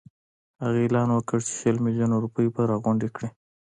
هغه اعلان وکړ چې شل میلیونه روپۍ به راغونډي کړي.